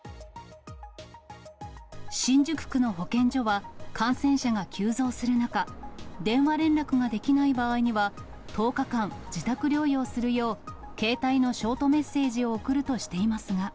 新宿区の保健所は、感染者が急増する中、電話連絡ができない場合には、１０日間、自宅療養するよう携帯のショートメッセージを送るとしていますが。